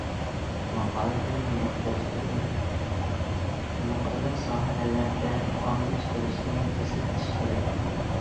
ماقالىدە مۇنداق كۆرسىتىلدى: نۇقتىلىق ساھەلەردە قانۇن چىقىرىشنى تېزلىتىش كېرەك.